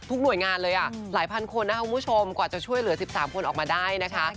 หน่วยงานเลยหลายพันคนนะคะคุณผู้ชมกว่าจะช่วยเหลือ๑๓คนออกมาได้นะคะ